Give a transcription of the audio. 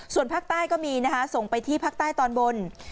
ส่วนภาคใต้ก็มีนะคะส่งไปที่ภาคใต้ตอนบน